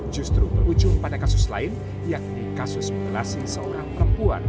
justru berujung pada kasus lain yakni kasus mutilasi seorang perempuan